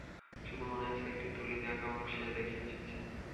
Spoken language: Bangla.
শুধু মনে আছে একটি তুলি দিয়ে আঁকা মুখ সে দেখে এসেছে।